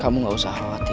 kamu gak usah khawatir